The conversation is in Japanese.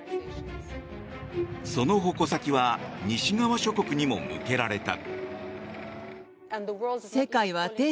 その矛先は西側諸国にも向けられた。